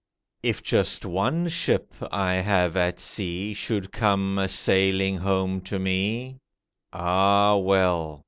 If just one ship I have at sea Should come a sailing home to me, Ah, well!